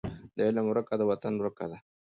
د علم ورکه د وطن ورکه ده.